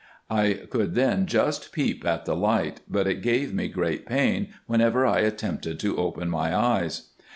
I could then just peep at the light ; but it gave me great pain whenever I attempted to open my eyes.